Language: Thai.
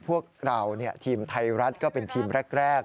พวกเราทีมไทยรัฐก็เป็นทีมแรก